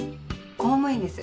公務員です。